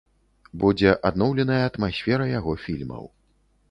Будзе адноўленая атмасфера яго фільмаў.